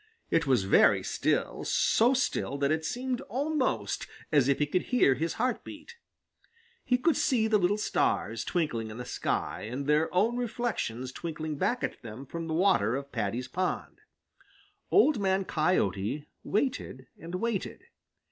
It was very still, so still that it seemed almost as if he could hear his heart beat. He could see the little stars twinkling in the sky and their own reflections twinkling back at them from the water of Paddy's pond. Old Man Coyote waited and waited.